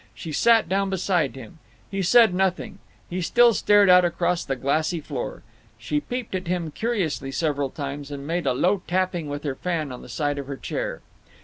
She sat down beside him. He said nothing; he still stared out across the glassy floor. She peeped at him curiously several times, and made a low tapping with her fan on the side of her chair.